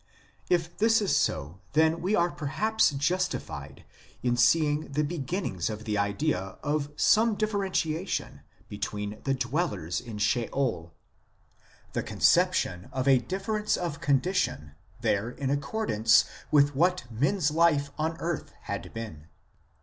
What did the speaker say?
If this is so, then we are perhaps justified in seeing the beginnings of the idea of some differ entiation between the dwellers in Sheol ; the conception of a difference of condition there in accordance with what men s life on earth had been.